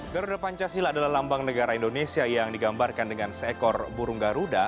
garuda pancasila adalah lambang negara indonesia yang digambarkan dengan seekor burung garuda